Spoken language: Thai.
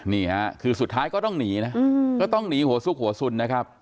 นี่ค่ะคือสุดท้ายก็ต้องหนีนะก็ต้องหนีหัวซุกหัวสุนนะครับ